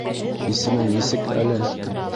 — Исемең нисек әле?